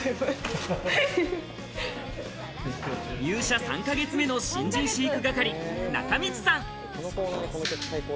入社３か月目の新人飼育係・中道さん。